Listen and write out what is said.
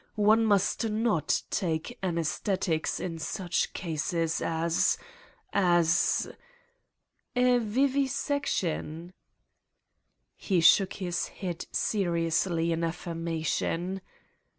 One must not take anesthetics in such cases as . as .." "As vivisection?" He shook his head seriously in affirmation.